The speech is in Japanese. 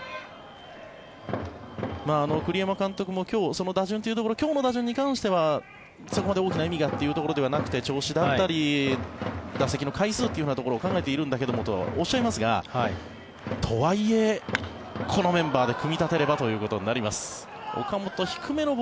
栗山監督も今日、打順というところ今日の打順に関してはそこまで大きな意味がというところではなくて調子だったり打席の回数というところを考えているんだけどもとおっしゃいますがご覧いただいている試合はＡＢＥＭＡでライブ配信中です。